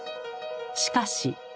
しかし。